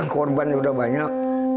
korbannya sudah banyak